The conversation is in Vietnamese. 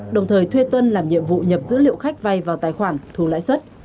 đồng thời thuê tuân làm nhiệm vụ nhập dữ liệu khách vay vào tài khoản thu lãi suất